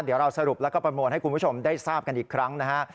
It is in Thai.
เดี๋ยวเราสรุปแล้วก็ประมวลให้คุณผู้ชมได้ทราบกันอีกครั้งนะฮะ